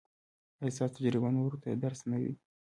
ایا ستاسو تجربه نورو ته درس نه دی؟